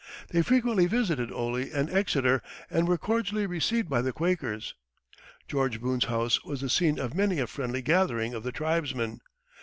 They frequently visited Oley and Exeter, and were cordially received by the Quakers. George Boone's house was the scene of many a friendly gathering of the tribesmen.